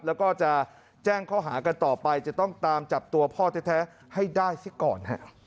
แล้วก็จะแจ้งข้อหากันต่อไปจะต้องตามจับตัวพ่อแท้ให้ได้ซิก่อน